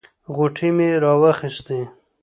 غوټې مې راواخیستې.